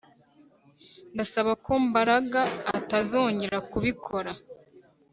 Ndasaba ko Mbaraga atazongera kubikora